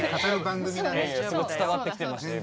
すごい伝わってきてましたよ